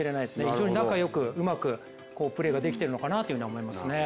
非常に仲よく、うまくプレーできているのかなと思いますね。